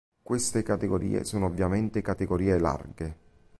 Queste categoria sono ovviamente categorie larghe.